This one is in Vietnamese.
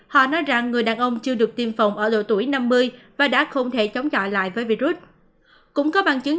họ nói rằng người đàn ông chưa được tiêm chủng